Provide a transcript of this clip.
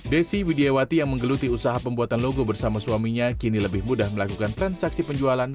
desi widiawati yang menggeluti usaha pembuatan logo bersama suaminya kini lebih mudah melakukan transaksi penjualan